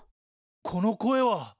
この声は。